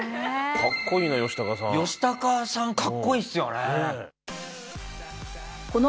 ヨシタカさんかっこいいっすよね。